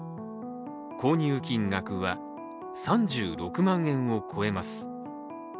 購入金額は３６万円を超えます。